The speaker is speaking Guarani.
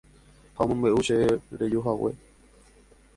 ha omombe'u chéve rejuhague